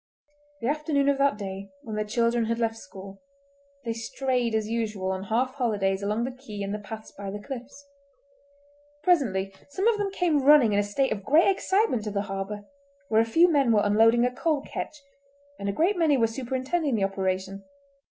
The afternoon of that day, when the children had left school, they strayed as usual on half holidays along the quay and the paths by the cliffs. Presently some of them came running in a state of great excitement to the harbour, where a few men were unloading a coal ketch, and a great many were superintending the operation.